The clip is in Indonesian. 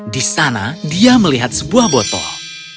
di sana dia melihat sebuah botol